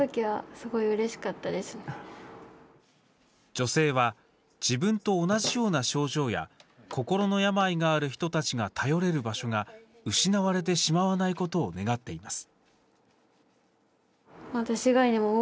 女性は自分と同じような症状や心の病がある人たちが頼れる場所が失われてしまわないことを願っています。